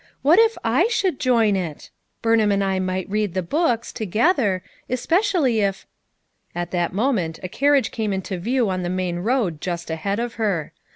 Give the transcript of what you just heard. What if I should join it? Burnham and I might read the books, to gether, especially if —" At that moment a carriage came into view on the main road just ahead of her.